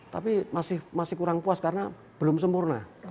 tapi masih kurang puas karena belum sempurna